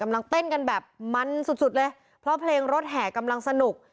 เต้นกันแบบมันสุดสุดเลยเพราะเพลงรถแห่กำลังสนุก